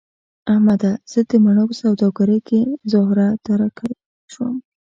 احمده! زه د مڼو په سوداګرۍ کې زهره ترکی شوم.